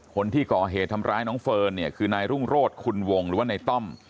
คนที่ก่อเหตุทำร้ายน้องเฟิร์นเนี่ยคือนายรุ่งโรธคุณวงหรือว่าในต้อม